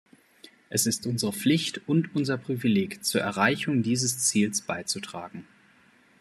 Es ist unsere Pflicht und unser Privileg, zur Erreichung dieses Ziels beizutragen.